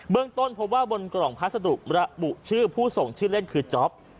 ต้นพบว่าบนกล่องพัสดุระบุชื่อผู้ส่งชื่อเล่นคือจ๊อป